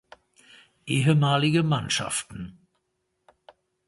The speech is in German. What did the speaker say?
Ehemalige Mannschaften